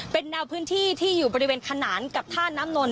เป็นแนวพื้นที่ที่อยู่บริเวณขนานกับท่าน้ำนนท